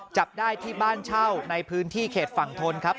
จับได้ที่บ้านเช่าในพื้นที่เขตฝั่งทนครับ